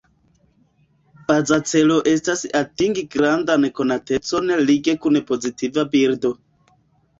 Baza celo estas atingi grandan konatecon lige kun pozitiva bildo.